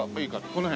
この辺？